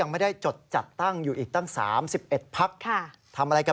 ไม่น่าจะเกิดขึ้นได้